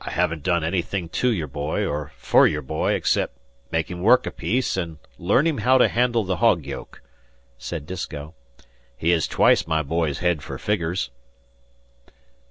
"I hevn't done anything to your boy or fer your boy excep' make him work a piece an' learn him how to handle the hog yoke," said Disko. "He has twice my boy's head for figgers."